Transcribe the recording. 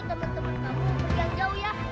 cepat kak ari jahat